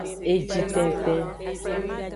Eji tenten.